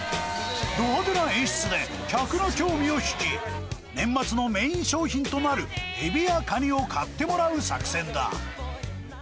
ど派手な演出で客の興味を引き、年末のメイン商品となるエビやカニを買ってもらう作戦だ。